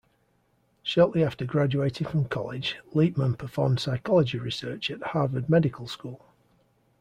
Shortly after graduating from college, Liebman performed psychology research at Harvard Medical School.